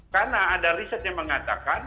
karena ada riset yang mengatakan